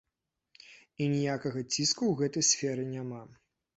І ніякага ціску ў гэтай сферы няма.